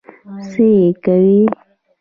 څه يې کوې؟